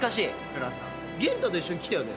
元太と一緒に来たよね。